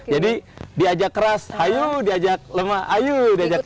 jadi diajak keras ayo diajak lemah ayo diajak